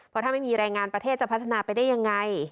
เพราะถ้าไม่มีแรงงานประเทศจะพัฒนาไปได้ยังไง